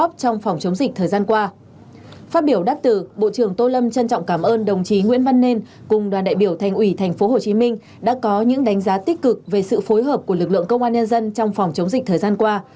phát biểu đáp từ bộ trưởng tô lâm trân trọng cảm ơn đồng chí nguyễn văn nên cùng đoàn đại biểu thành ủy tp hcm đã có những đánh giá tích cực về sự phối hợp của lực lượng công an nhân dân trong phòng chống dịch thời gian qua